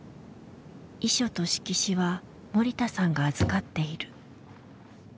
遺書と色紙は森田さんが預かっている。